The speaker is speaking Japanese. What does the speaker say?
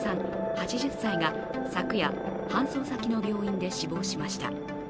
８０歳が昨夜、搬送先の病院で死亡しました